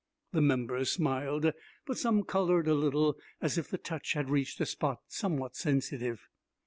The members smiled, but some colored a little as if the touch had reached a spot somewhat sensitive.